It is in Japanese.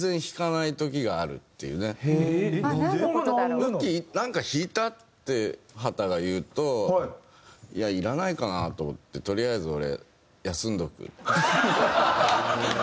「うきなんか弾いた？」って刄田が言うと「いやいらないかなと思ってとりあえず俺休んどく」。